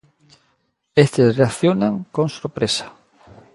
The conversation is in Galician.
Estes reaccionan con sorpresa.